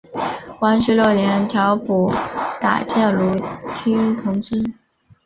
光绪六年调补打箭炉厅同知。